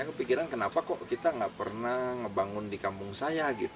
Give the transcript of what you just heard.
saya berpikir kenapa kita tidak pernah membangun di kampung saya